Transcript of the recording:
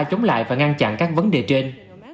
chống lại và ngăn chặn các vấn đề trên